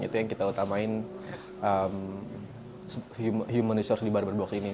itu yang kita utamain human resource di barber box ini